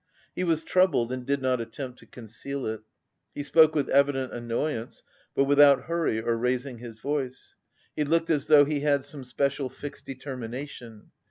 He was troubled and did not attempt to conceal it. He spoke with evident annoyance, but without hurry or raising his voice. He looked as though he had some special fixed determination.